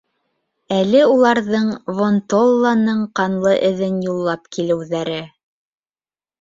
Әле уларҙың Вон-толланың ҡанлы эҙен юллап килеүҙәре...